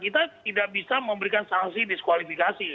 kita tidak bisa memberikan sanksi diskualifikasi